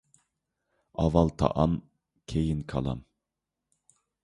ئاۋۋال تائام، كېيىن كالام.